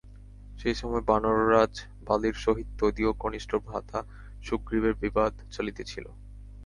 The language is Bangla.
সেই সময় বানর-রাজ বালীর সহিত তদীয় কনিষ্ঠ ভ্রাতা সুগ্রীবের বিবাদ চলিতেছিল।